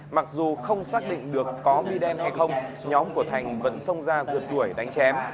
mặc dù không xác định được có bia đen hay không nhóm của thành vẫn xông ra rượt đuổi đánh chém